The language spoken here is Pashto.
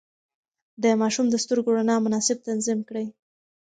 د ماشوم د سترګو رڼا مناسب تنظيم کړئ.